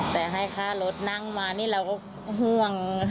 แต่ให้ค่ารถนั่งมานี่เราก็ห่วง